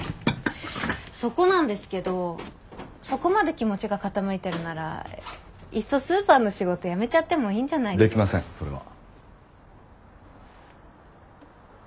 そこなんですけどそこまで気持ちが傾いてるならいっそスーパーの仕事やめちゃってもいいんじゃない。できませんそれは。